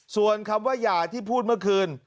ส่วนคำว่าหย่าที่พูดเมื่อคืน